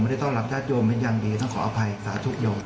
ไม่ได้ต้องรับญาติโยมเป็นอย่างดีต้องขออภัยศาสตร์ทุกโยม